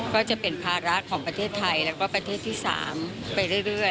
ก็จะเป็นภาระของประเทศไทยแล้วก็ประเทศที่๓ไปเรื่อย